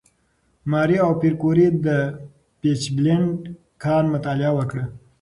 ماري او پېیر کوري د «پیچبلېند» کان مطالعه وکړه.